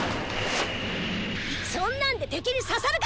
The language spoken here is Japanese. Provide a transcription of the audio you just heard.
そんなんで敵にささるか！